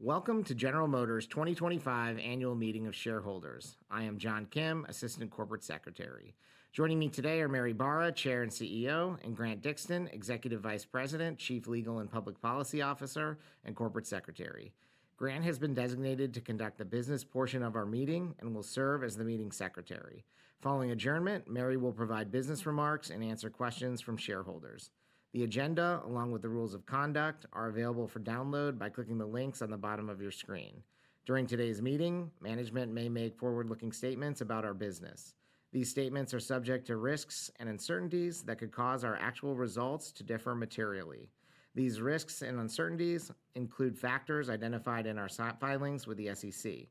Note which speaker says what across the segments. Speaker 1: Welcome to General Motors' 2025 Annual Meeting of Shareholders. I am John Kim, Assistant Corporate Secretary. Joining me today are Mary Barra, Chair and CEO, and Grant Dixton, Executive Vice President, Chief Legal and Public Policy Officer, and Corporate Secretary. Grant has been designated to conduct the business portion of our meeting and will serve as the meeting secretary. Following adjournment, Mary will provide business remarks and answer questions from shareholders. The agenda, along with the rules of conduct, are available for download by clicking the links on the bottom of your screen. During today's meeting, management may make forward-looking statements about our business. These statements are subject to risks and uncertainties that could cause our actual results to differ materially. These risks and uncertainties include factors identified in our SEC filings with the SEC.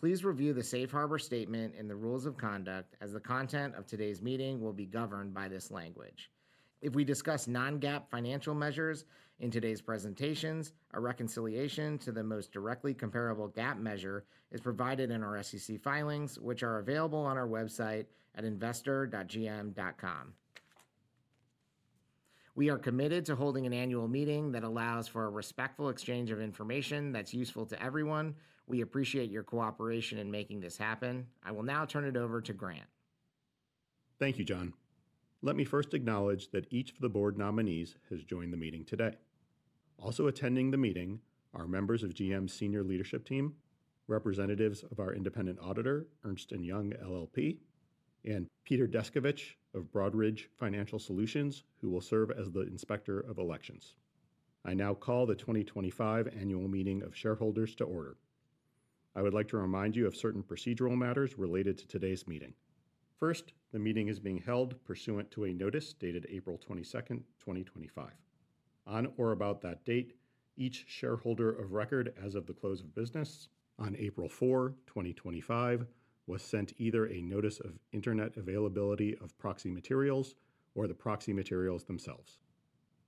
Speaker 1: Please review the safe harbor statement in the rules of conduct, as the content of today's meeting will be governed by this language. If we discuss non-GAAP financial measures in today's presentations, a reconciliation to the most directly comparable GAAP measure is provided in our SEC filings, which are available on our website at investor.gm.com. We are committed to holding an annual meeting that allows for a respectful exchange of information that's useful to everyone. We appreciate your cooperation in making this happen. I will now turn it over to Grant.
Speaker 2: Thank you, John. Let me first acknowledge that each of the board nominees has joined the meeting today. Also attending the meeting are members of GM's senior leadership team, representatives of our independent auditor, Ernst & Young LLP, and Peter Descovich of Broadridge Financial Solutions, who will serve as the inspector of elections. I now call the 2025 Annual Meeting of Shareholders to order. I would like to remind you of certain procedural matters related to today's meeting. First, the meeting is being held pursuant to a notice dated April 22, 2025. On or about that date, each shareholder of record as of the close of business on April 4, 2025, was sent either a notice of internet availability of proxy materials or the proxy materials themselves.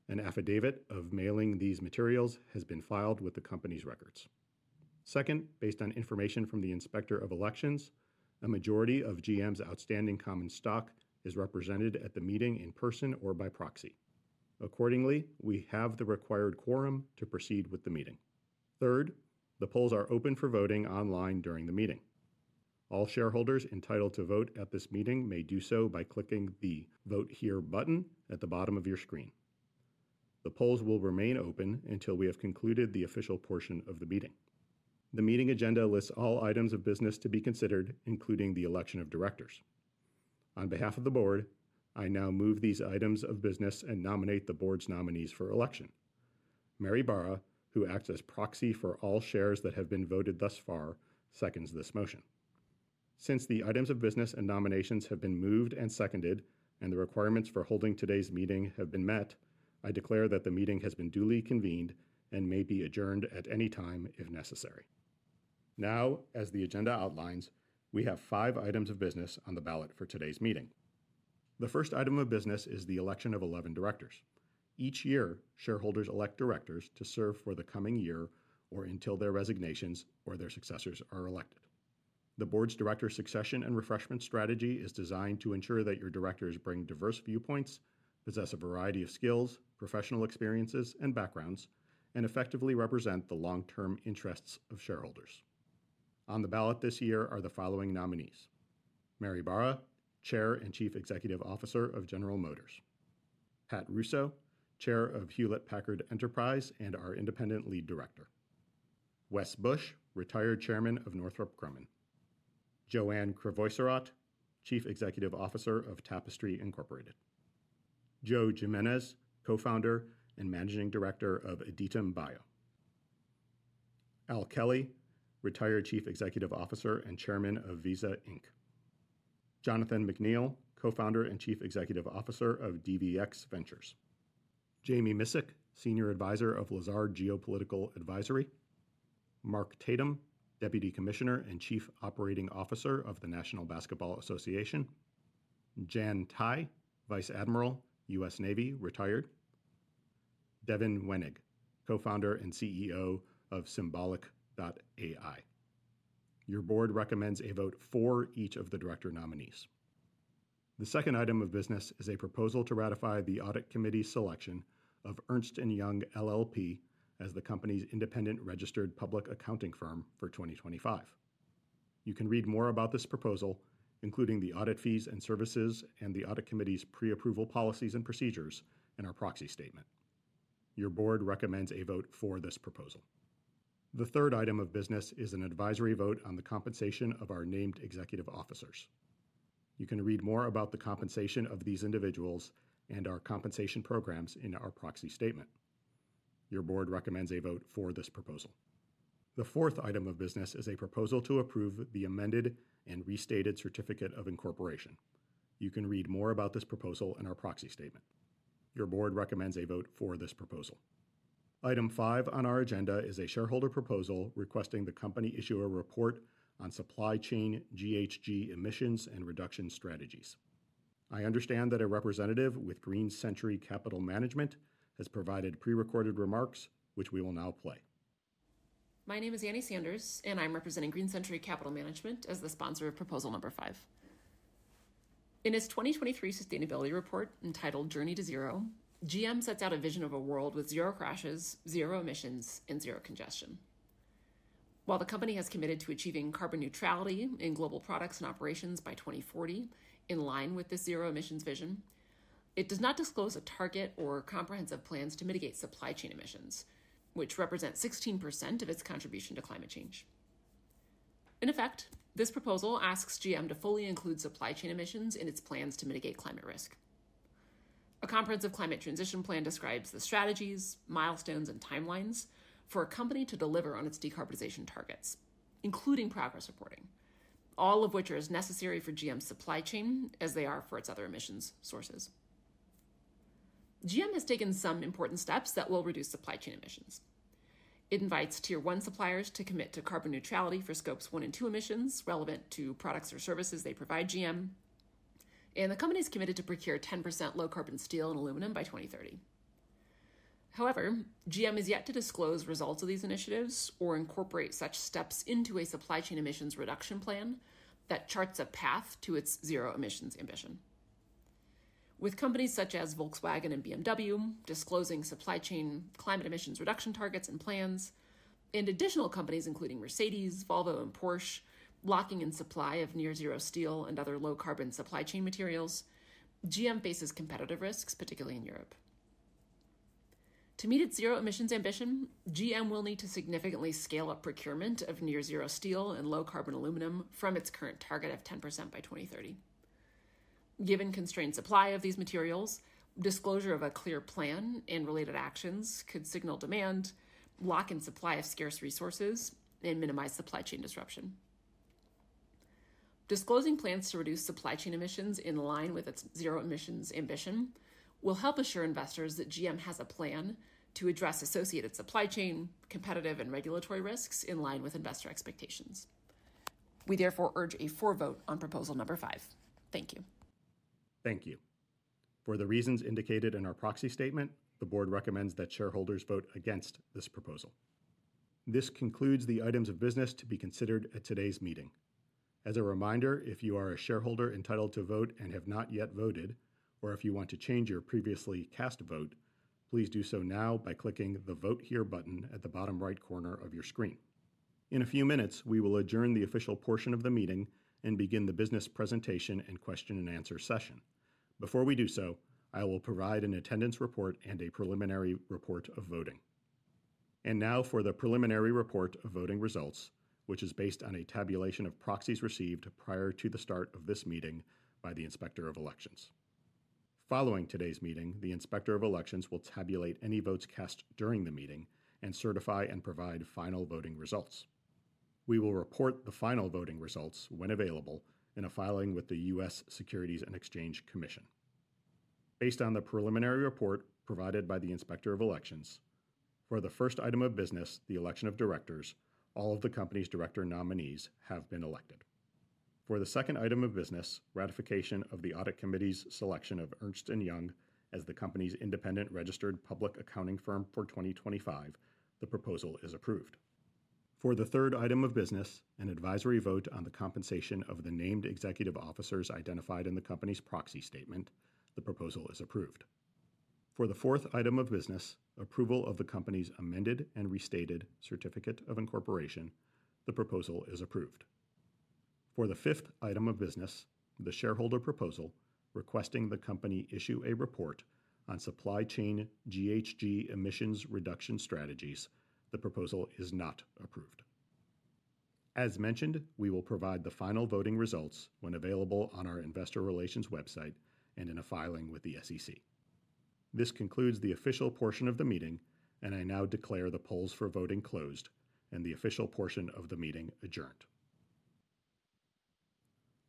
Speaker 2: An affidavit of mailing these materials has been filed with the company's records. Second, based on information from the inspector of elections, a majority of GM's outstanding common stock is represented at the meeting in person or by proxy. Accordingly, we have the required quorum to proceed with the meeting. Third, the polls are open for voting online during the meeting. All shareholders entitled to vote at this meeting may do so by clicking the Vote Here button at the bottom of your screen. The polls will remain open until we have concluded the official portion of the meeting. The meeting agenda lists all items of business to be considered, including the election of directors. On behalf of the board, I now move these items of business and nominate the board's nominees for election. Mary Barra, who acts as proxy for all shares that have been voted thus far, seconds this motion. Since the items of business and nominations have been moved and seconded, and the requirements for holding today's meeting have been met, I declare that the meeting has been duly convened and may be adjourned at any time if necessary. Now, as the agenda outlines, we have five items of business on the ballot for today's meeting. The first item of business is the election of 11 directors. Each year, shareholders elect directors to serve for the coming year or until their resignations or their successors are elected. The board's director succession and refreshment strategy is designed to ensure that your directors bring diverse viewpoints, possess a variety of skills, professional experiences, and backgrounds, and effectively represent the long-term interests of shareholders. On the ballot this year are the following nominees: Mary Barra, Chair and Chief Executive Officer of General Motors; Pat Russo, Chair of Hewlett Packard Enterprise and our independent lead director; Wes Bush, retired Chairman of Northrop Grumman; Joanne Crevoiserat, Chief Executive Officer of Tapestry Incorporated; Joe Jimenez, Co-Founder and Managing Director of Aditum Bio; Al Kelly, retired Chief Executive Officer and Chairman of Visa Inc.; Jonathan McNeil, Co-Founder and Chief Executive Officer of DVX Ventures; Jamie Misick, Senior Advisor of Lazard Geopolitical Advisory; Mark Tatum, Deputy Commissioner and Chief Operating Officer of the National Basketball Association; Jan Tighe, Vice Admiral, U.S. Navy, retired; Devin Wenig, Co-Founder and CEO of Symbolic.ai. Your board recommends a vote for each of the director nominees. The second item of business is a proposal to ratify the Audit Committee's selection of Ernst & Young LLP as the company's independent registered public accounting firm for 2025. You can read more about this proposal, including the audit fees and services and the Audit Committee's pre-approval policies and procedures, in our proxy statement. Your board recommends a vote for this proposal. The third item of business is an advisory vote on the compensation of our named executive officers. You can read more about the compensation of these individuals and our compensation programs in our proxy statement. Your board recommends a vote for this proposal. The fourth item of business is a proposal to approve the amended and restated certificate of incorporation. You can read more about this proposal in our proxy statement. Your board recommends a vote for this proposal. Item five on our agenda is a shareholder proposal requesting the company issue a report on supply chain GHG emissions and reduction strategies. I understand that a representative with Green Century Capital Management has provided prerecorded remarks, which we will now play.
Speaker 3: My name is Annie Sanders, and I'm representing Green Century Capital Management as the sponsor of proposal number five. In its 2023 sustainability report entitled Journey to Zero, GM sets out a vision of a world with zero crashes, zero emissions, and zero congestion. While the company has committed to achieving carbon neutrality in global products and operations by 2040, in line with this zero emissions vision, it does not disclose a target or comprehensive plans to mitigate supply chain emissions, which represent 16% of its contribution to climate change. In effect, this proposal asks GM to fully include supply chain emissions in its plans to mitigate climate risk. A comprehensive climate transition plan describes the strategies, milestones, and timelines for a company to deliver on its decarbonization targets, including progress reporting, all of which are as necessary for GM's supply chain as they are for its other emissions sources. GM has taken some important steps that will reduce supply chain emissions. It invites tier one suppliers to commit to carbon neutrality for Scope 1 and 2 emissions relevant to products or services they provide GM, and the company is committed to procure 10% low carbon steel and aluminum by 2030. However, GM is yet to disclose results of these initiatives or incorporate such steps into a supply chain emissions reduction plan that charts a path to its zero emissions ambition. With companies such as Volkswagen and BMW disclosing supply chain climate emissions reduction targets and plans, and additional companies including Mercedes, Volvo, and Porsche locking in supply of near-zero steel and other low carbon supply chain materials, GM faces competitive risks, particularly in Europe. To meet its zero emissions ambition, GM will need to significantly scale up procurement of near-zero steel and low carbon aluminum from its current target of 10% by 2030. Given constrained supply of these materials, disclosure of a clear plan and related actions could signal demand, lock in supply of scarce resources, and minimize supply chain disruption. Disclosing plans to reduce supply chain emissions in line with its zero emissions ambition will help assure investors that GM has a plan to address associated supply chain, competitive, and regulatory risks in line with investor expectations. We therefore urge a for vote on proposal number five. Thank you.
Speaker 2: Thank you. For the reasons indicated in our proxy statement, the board recommends that shareholders vote against this proposal. This concludes the items of business to be considered at today's meeting. As a reminder, if you are a shareholder entitled to vote and have not yet voted, or if you want to change your previously cast vote, please do so now by clicking the Vote Here button at the bottom right corner of your screen. In a few minutes, we will adjourn the official portion of the meeting and begin the business presentation and question-and-answer session. Before we do so, I will provide an attendance report and a preliminary report of voting. Now for the preliminary report of voting results, which is based on a tabulation of proxies received prior to the start of this meeting by the inspector of elections. Following today's meeting, the inspector of elections will tabulate any votes cast during the meeting and certify and provide final voting results. We will report the final voting results when available in a filing with the U.S. Securities and Exchange Commission. Based on the preliminary report provided by the inspector of elections, for the first item of business, the election of directors, all of the company's director nominees have been elected. For the second item of business, ratification of the Audit Committee's selection of Ernst & Young as the company's independent registered public accounting firm for 2025, the proposal is approved. For the third item of business, an advisory vote on the compensation of the named executive officers identified in the company's proxy statement, the proposal is approved. For the fourth item of business, approval of the company's amended and restated certificate of incorporation, the proposal is approved. For the fifth item of business, the shareholder proposal requesting the company issue a report on supply chain GHG emissions reduction strategies, the proposal is not approved. As mentioned, we will provide the final voting results when available on our investor relations website and in a filing with the SEC. This concludes the official portion of the meeting, and I now declare the polls for voting closed and the official portion of the meeting adjourned.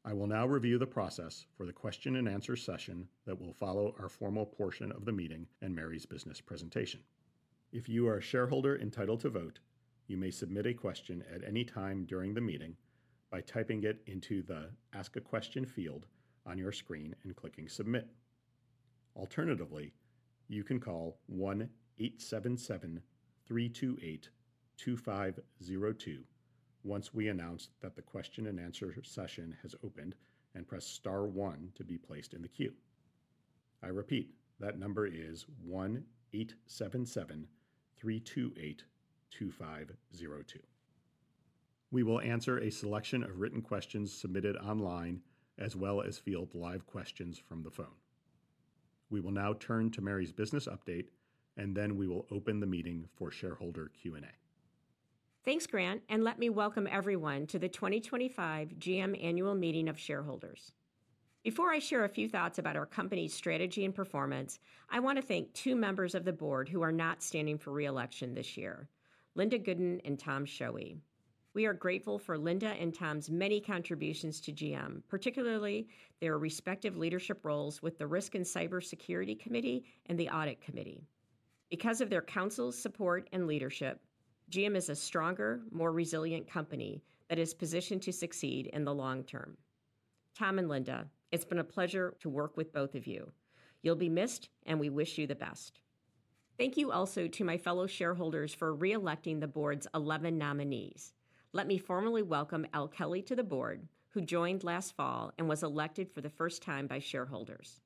Speaker 2: I will now review the process for the question-and-answer session that will follow our formal portion of the meeting and Mary's business presentation. If you are a shareholder entitled to vote, you may submit a question at any time during the meeting by typing it into the Ask a Question field on your screen and clicking Submit. Alternatively, you can call 1-877-328-2502 once we announce that the question-and-answer session has opened and press Star 1 to be placed in the queue. I repeat, that number is 1-877-328-2502. We will answer a selection of written questions submitted online as well as field live questions from the phone. We will now turn to Mary's business update, and then we will open the meeting for Shareholder Q&A.
Speaker 4: Thanks, Grant, and let me welcome everyone to the 2025 GM Annual Meeting of Shareholders. Before I share a few thoughts about our company's strategy and performance, I want to thank two members of the board who are not standing for reelection this year, Linda Gooden and Tom Schoewe. We are grateful for Linda and Tom's many contributions to GM, particularly their respective leadership roles with the Risk and Cybersecurity Committee and the Audit Committee. Because of their counsel, support, and leadership, GM is a stronger, more resilient company that is positioned to succeed in the long term. Tom and Linda, it's been a pleasure to work with both of you. You'll be missed, and we wish you the best. Thank you also to my fellow shareholders for reelecting the board's 11 nominees. Let me formally welcome Al Kelly to the board, who joined last fall and was elected for the first time by shareholders.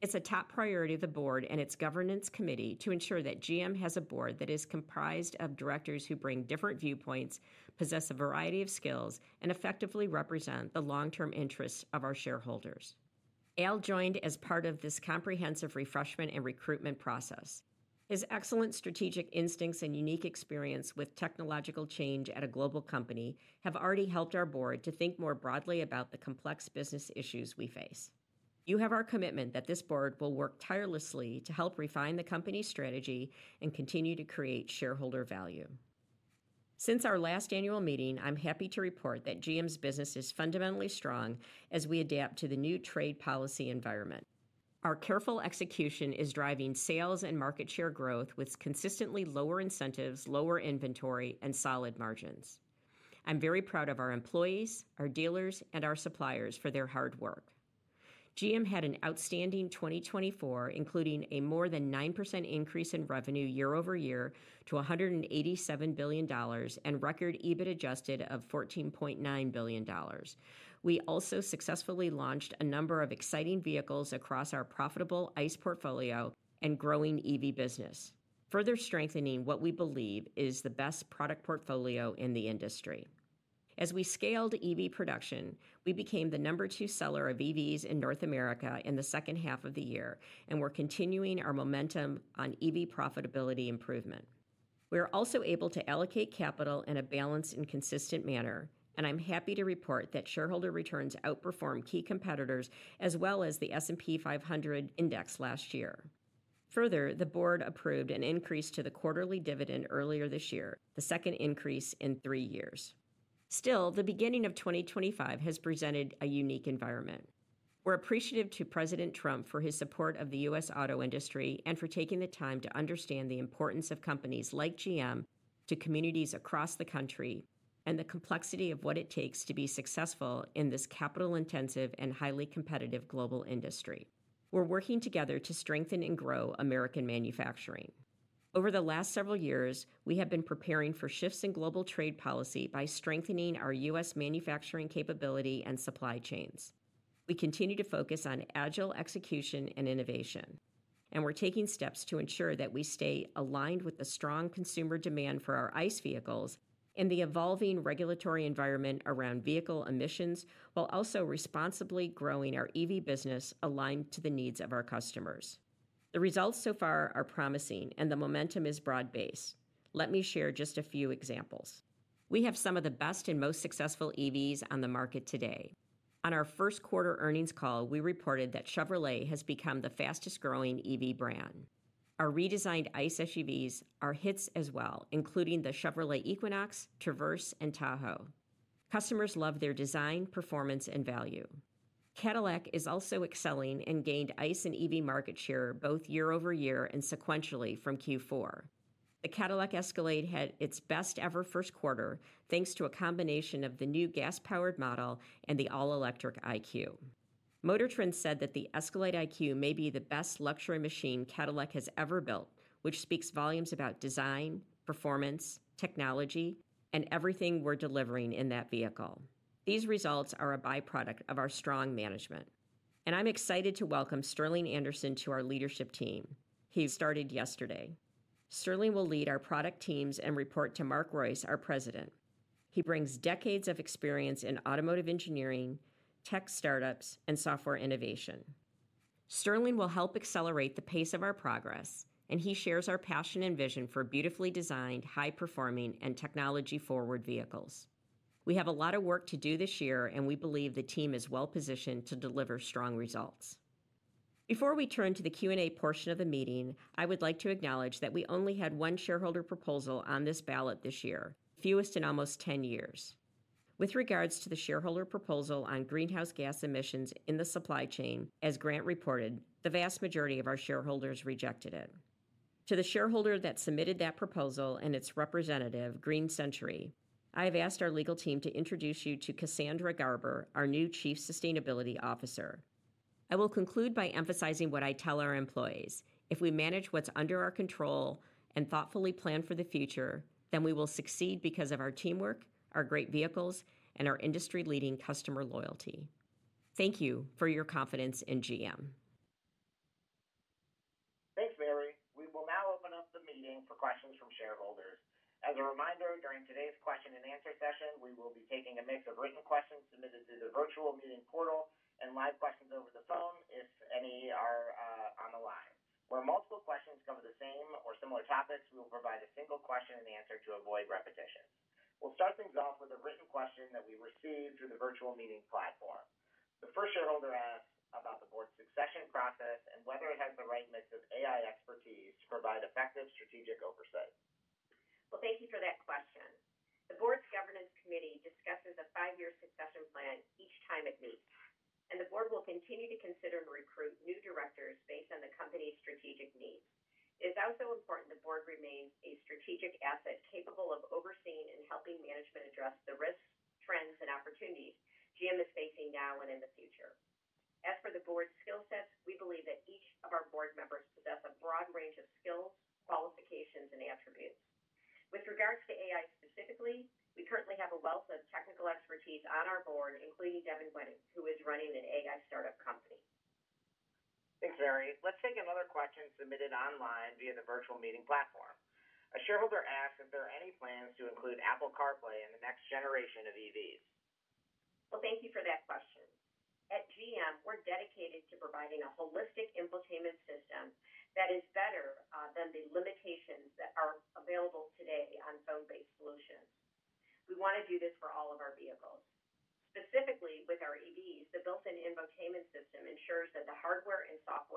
Speaker 4: It's a top priority of the board and its governance committee to ensure that GM has a board that is comprised of directors who bring different viewpoints, possess a variety of skills, and effectively represent the long-term interests of our shareholders. Al joined as part of this comprehensive refreshment and recruitment process. His excellent strategic instincts and unique experience with technological change at a global company have already helped our board to think more broadly about the complex business issues we face. You have our commitment that this board will work tirelessly to help refine the company's strategy and continue to create shareholder value. Since our last annual meeting, I'm happy to report that GM's business is fundamentally strong as we adapt to the new trade policy environment. Our careful execution is driving sales and market share growth with consistently lower incentives, lower inventory, and solid margins. I'm very proud of our employees, our dealers, and our suppliers for their hard work. GM had an outstanding 2024, including a more than 9% increase in revenue year over year to $187 billion and record EBIT adjusted of $14.9 billion. We also successfully launched a number of exciting vehicles across our profitable ICE portfolio and growing EV business, further strengthening what we believe is the best product portfolio in the industry. As we scaled EV production, we became the number two seller of EVs in North America in the second half of the year and were continuing our momentum on EV profitability improvement. We were also able to allocate capital in a balanced and consistent manner, and I'm happy to report that shareholder returns outperformed key competitors as well as the S&P 500 index last year. Further, the board approved an increase to the quarterly dividend earlier this year, the second increase in three years. Still, the beginning of 2025 has presented a unique environment. We're appreciative to President Trump for his support of the U.S. auto industry and for taking the time to understand the importance of companies like GM to communities across the country and the complexity of what it takes to be successful in this capital-intensive and highly competitive global industry. We're working together to strengthen and grow American manufacturing. Over the last several years, we have been preparing for shifts in global trade policy by strengthening our U.S. manufacturing capability and supply chains. We continue to focus on agile execution and innovation, and we're taking steps to ensure that we stay aligned with the strong consumer demand for our ICE vehicles and the evolving regulatory environment around vehicle emissions, while also responsibly growing our EV business aligned to the needs of our customers. The results so far are promising, and the momentum is broad-based. Let me share just a few examples. We have some of the best and most successful EVs on the market today. On our first quarter earnings call, we reported that Chevrolet has become the fastest-growing EV brand. Our redesigned ICE SUVs are hits as well, including the Chevrolet Equinox, Traverse, and Tahoe. Customers love their design, performance, and value. Cadillac is also excelling and gained ICE and EV market share both year over year and sequentially from Q4. The Cadillac Escalade had its best-ever first quarter thanks to a combination of the new gas-powered model and the all-electric IQ. Motor Trend said that the Escalade IQ may be the best luxury machine Cadillac has ever built, which speaks volumes about design, performance, technology, and everything we're delivering in that vehicle. These results are a byproduct of our strong management, and I'm excited to welcome Sterling Anderson to our leadership team. He started yesterday. Sterling will lead our product teams and report to Mark Reuss, our President. He brings decades of experience in automotive engineering, tech startups, and software innovation. Sterling will help accelerate the pace of our progress, and he shares our passion and vision for beautifully designed, high-performing, and technology-forward vehicles. We have a lot of work to do this year, and we believe the team is well-positioned to deliver strong results. Before we turn to the Q&A portion of the meeting, I would like to acknowledge that we only had one shareholder proposal on this ballot this year, fewest in almost 10 years. With regards to the shareholder proposal on greenhouse gas emissions in the supply chain, as Grant reported, the vast majority of our shareholders rejected it. To the shareholder that submitted that proposal and its representative, Green Century, I have asked our legal team to introduce you to Cassandra Garber, our new Chief Sustainability Officer. I will conclude by emphasizing what I tell our employees. If we manage what's under our control and thoughtfully plan for the future, then we will succeed because of our teamwork, our great vehicles, and our industry-leading customer loyalty. Thank you for your confidence in GM.
Speaker 1: Thanks, Mary. We will now open up the meeting for questions from shareholders. As a reminder, during today's question-and-answer session, we will be taking a mix of written questions submitted through the virtual meeting portal and live questions over the phone if any are on the line. Where multiple questions cover the same or similar topics, we will provide a single question and answer to avoid repetition. We'll start things off with a written question that we received through the virtual meeting platform. The first shareholder asked about the board's succession process and whether it has the right mix of AI expertise to provide effective strategic oversight.
Speaker 4: Thank you for that question. The board's governance committee discusses a five-year succession plan each time it meets, and the board will continue to consider and recruit new directors based on the company's strategic needs. It is also important the board remains a strategic asset capable of overseeing and helping management address the risks, trends, and opportunities GM is facing now and in the future. As for the board's skill sets, we believe that each of our board members possess a broad range of skills, qualifications, and attributes. With regards to AI specifically, we currently have a wealth of technical expertise on our board, including Devin Wenig, who is running an AI startup company.
Speaker 1: Thanks, Mary. Let's take another question submitted online via the virtual meeting platform. A shareholder asked if there are any plans to include Apple CarPlay in the next generation of EVs.
Speaker 4: Thank you for that question. At GM, we're dedicated to providing a holistic infotainment system that is better than the limitations that are available today on phone-based solutions. We want to do this for all of our vehicles. Specifically, with our EVs, the built-in infotainment system ensures that the hardware and software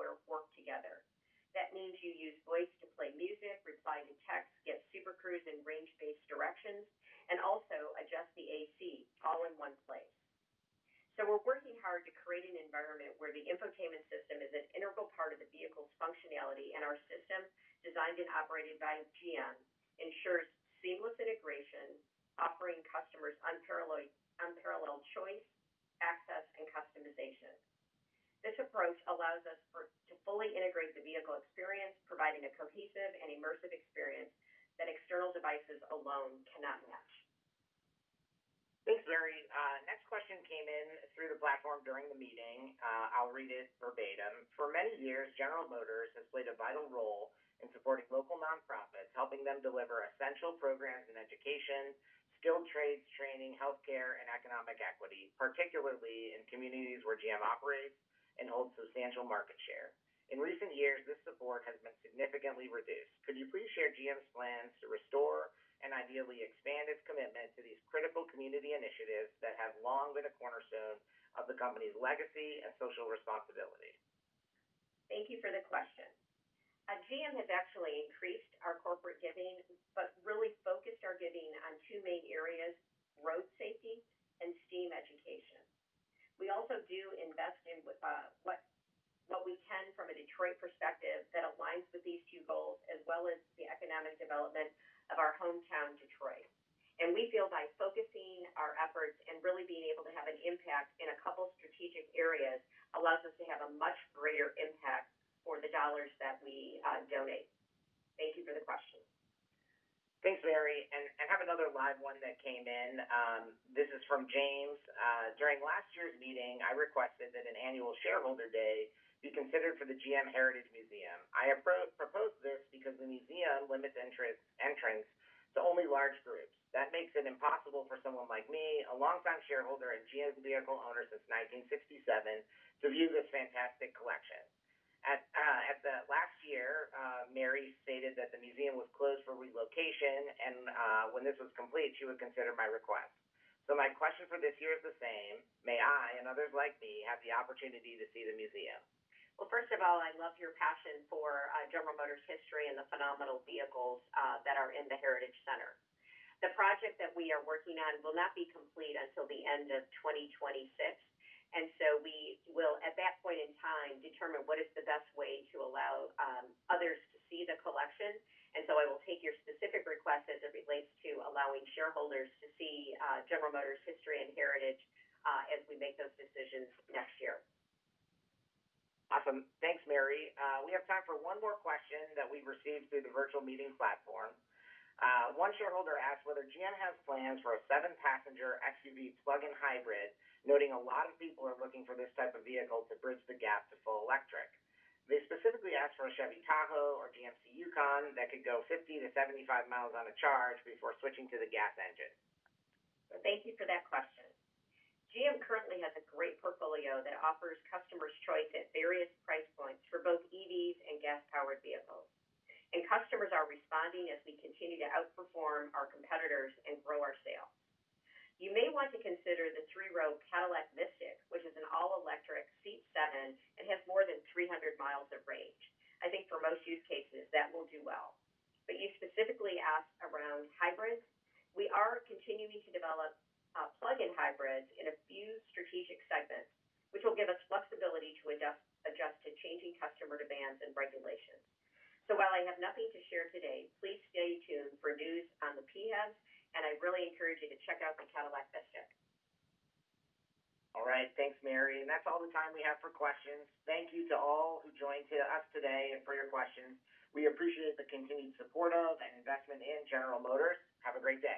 Speaker 1: of the company's legacy and social responsibility?
Speaker 4: Thank you for the question. GM has actually increased our corporate giving, but really focused our giving on two main areas: road safety and STEAM education. We also do invest in what we can from a Detroit perspective that aligns with these two goals, as well as the economic development of our hometown, Detroit. We feel by focusing our efforts and really being able to have an impact in a couple of strategic areas allows us to have a much greater impact for the dollars that we donate. Thank you for the question.
Speaker 1: Thanks, Mary. I have another live one that came in. This is from James. During last year's meeting, I requested that an annual shareholder day be considered for the GM Heritage Museum. I have proposed this because the museum limits entrance to only large groups. That makes it impossible for someone like me, a longtime shareholder and GM vehicle owner since 1967, to view this fantastic collection. At the last year, Mary stated that the museum was closed for relocation, and when this was complete, she would consider my request. My question for this year is the same. May I and others like me have the opportunity to see the museum?
Speaker 4: First of all, I love your passion for General Motors history and the phenomenal vehicles that are in the Heritage Center. The project that we are working on will not be complete until the end of 2026, and we will, at that point in time, determine what is the best way to allow others to see the collection. I will take your specific request as it relates to allowing shareholders to see General Motors history and heritage as we make those decisions next year.
Speaker 1: Awesome. Thanks, Mary. We have time for one more question that we've received through the virtual meeting platform. One shareholder asked whether GM has plans for a seven-passenger SUV plug-in hybrid, noting a lot of people are looking for this type of vehicle to bridge the gap to full electric. They specifically asked for a Chevy Tahoe or GMC Yukon that could go 50-75 mi on a charge before switching to the gas engine.
Speaker 4: Thank you for that question. GM currently has a great portfolio that offers customers choice at various price points for both EVs and gas-powered vehicles. Customers are responding as we continue to outperform our competitors and grow our sales. You may want to consider the three-row Cadillac Vistiq, which is an all-electric, seats seven, and has more than 300 miles of range. I think for most use cases, that will do well. You specifically asked around hybrids. We are continuing to develop plug-in hybrids in a few strategic segments, which will give us flexibility to adjust to changing customer demands and regulations. While I have nothing to share today, please stay tuned for news on the EVs, and I really encourage you to check out the Cadillac Vistiq.
Speaker 1: All right. Thanks, Mary. That is all the time we have for questions. Thank you to all who joined us today and for your questions. We appreciate the continued support of and investment in General Motors. Have a great day.